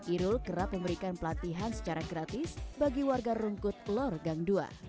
irul kerap memberikan pelatihan secara gratis bagi warga rungkut lor gang dua